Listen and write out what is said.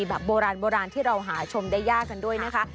แบบโบราณโบราณที่เราหาชมได้ยากกันด้วยนะคะ